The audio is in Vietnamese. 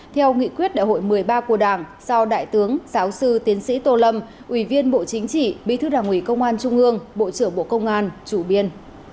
theo nghị quyết đại hội một mươi ba của đảng do đại tướng giáo sư tiến sĩ tô lâm ủy viên bộ chính trị bí thư đảng ủy công an trung ương bộ trưởng bộ công an chủ biên